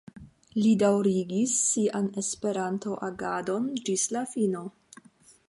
Li daŭrigis sian Esperanto-agadon ĝis la fino.